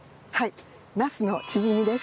ナスのチヂミです。